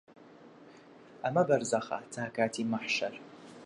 ئەمە بەرزەخە تا کاتی مەحشەر